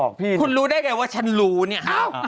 คุณรู้ได้ไงว่าฉันรู้เนี่ย